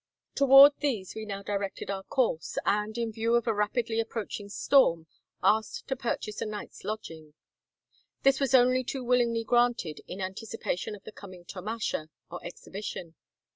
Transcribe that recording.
Toward these we now directed our course, and, in view of a rapidly approaching storm, asked to purchase a night's lodging. This was only too willingly granted in anticipation of the coming tomasha, or exhibition.